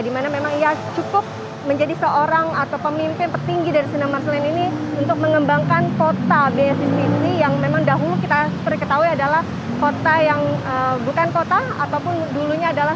dimana memang ia cukup menjadi seorang atau pemimpin petinggi dari sinar marsline ini untuk mengembangkan kota beasis ini yang memang dahulu kita seperti ketahui adalah kota yang bukan kota ataupun dulunya adalah